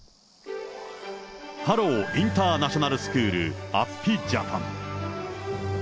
ハロウ・インターナショナルスクール、安比ジャパン。